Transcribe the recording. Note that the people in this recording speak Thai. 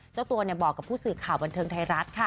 เจ้าตัวบอกกับผู้สื่อข่าวบันเทิงไทยรัฐค่ะ